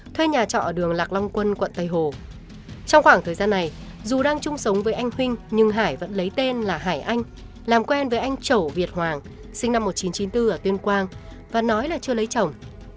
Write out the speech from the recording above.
trong khoảng thời gian này dù đang chung sống với anh huynh nhưng hải vẫn lấy tên là hải anh làm quen với anh chẩu việt hoàng sinh năm một nghìn chín trăm chín mươi bốn ở tuyên quang và nói là chưa lấy chồng